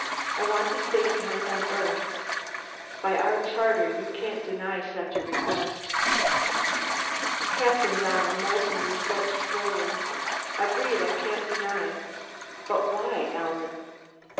I want to stay behind on Earth. By our charter you can't deny such a request." Captain Donnell moistened his lips slowly. "Agreed, I can't deny. But why, Alan?"